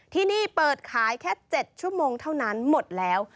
ที่นี่เปิดขายแค่๗ชั่วโมงเท่านั้นหมดแล้ว